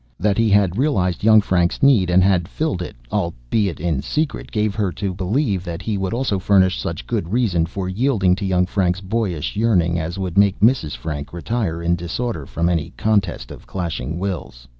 That he had realized young Frank's need and had filled it, albeit in secret, gave her to believe that he would also furnish such good reason for yielding to young Frank's boyish yearning as would make Mrs. Frank retire in disorder from any contest of clashing wills.